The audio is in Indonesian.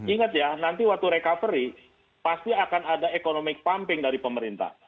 ingat ya nanti waktu recovery pasti akan ada economic pumping dari pemerintah